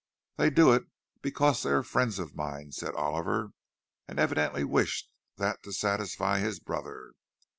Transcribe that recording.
"They do it because they are friends of mine," said Oliver, and evidently wished that to satisfy his brother.